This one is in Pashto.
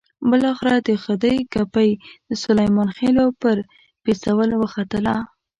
بالاخره د خدۍ کپۍ د سلیمان خېلو پر پېڅول وختله.